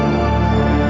nah sampai jumpa